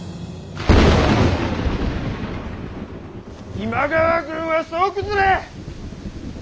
今川軍は総崩れ！